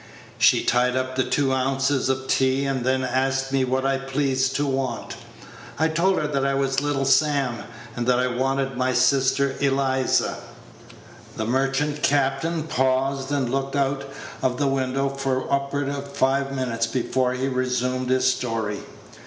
She tied up the two ounces of tea, and then asked me what I pleased to want. I told her that I was little Sam, and that I wanted my sister Eliza." The merchant captain paused and looked out of the window for upward of five minutes before he resumed his story.